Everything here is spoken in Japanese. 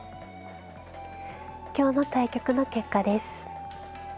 今日の対局の結果です。